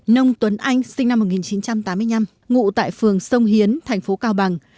nông tuấn anh sinh năm một nghìn chín trăm tám mươi năm ngụ tại phường sông hiến thành phố cao bằng